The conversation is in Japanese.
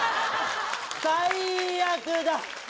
最悪だ。